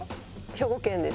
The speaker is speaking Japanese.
兵庫県です。